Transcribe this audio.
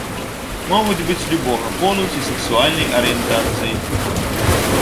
Могуць быць любога полу ці сексуальнай арыентацыі.